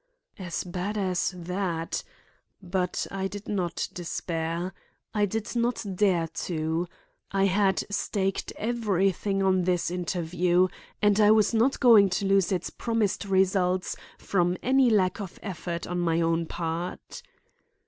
As bad as that! But I did not despair. I did not dare to. I had staked everything on this interview, and I was not going to lose its promised results from any lack of effort on my own part.